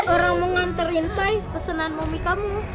orang mau nganterin pai pesenan mami kamu